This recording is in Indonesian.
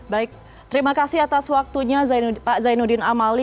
baik terima kasih atas waktunya pak zainuddin amali